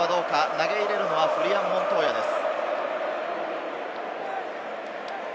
投げ入れるのはフリアン・モントーヤです。